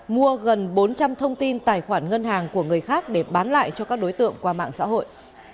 mua gần bốn trăm linh thông tin tài khoản ngân hàng của người khác để bán lại cho các đối tượng qua mạng xã hội